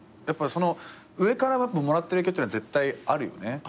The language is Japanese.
やっぱり上からもらってる影響っていうのは絶対あるよね。